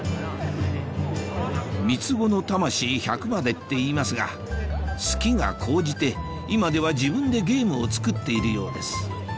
三つ子の魂百までっていいますが好きが高じて今では自分でゲームを作っているようです